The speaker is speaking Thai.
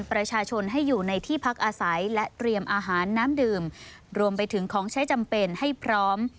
ประชาชนให้อยู่ในที่พักอาศัยและเตรียมอาหารน้ำดื่มรวมไปถึงของใช้จำเป็นให้พร้อม